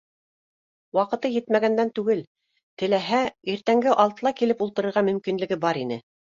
Ваҡыты етмәгәндән түгел, теләһә, иртәнге алтыла килеп ултырырға мөмкинлеге бар ине